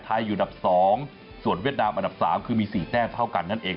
อยู่อันดับ๒ส่วนเวียดนามอันดับ๓คือมี๔แต้มเท่ากันนั่นเอง